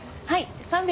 はい。